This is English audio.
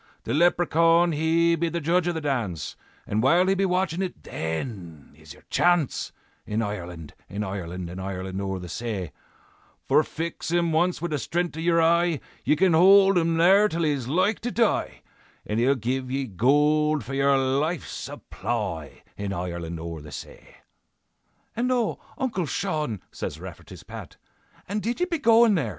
"'The Leprechaun he be judge of the dance, And while he be watchin' it, then is your chance, In Ireland, in Ireland, In Ireland o'er the say; For fix him once wid the stren'th of your eye, Ye can hold him there till he's like to die, And he'll give ye gold for your life's supply, In Ireland o'er the say.'" "And oh! Uncle Shaun," says Rafferty's Pat, "And did ye be goin' there?